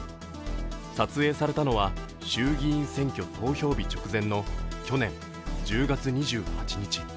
撮影されたのは衆議院選挙投票日直前の去年１０月２８日。